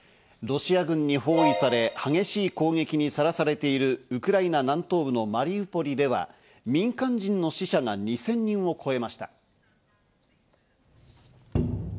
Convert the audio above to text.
ロシア軍に包囲され激しい攻撃にさらされているウクライナ南東部のマリウポリでは民間人の死者が２０００人を超えました。